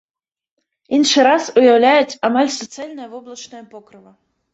Іншы раз уяўляюць амаль суцэльнае воблачнае покрыва.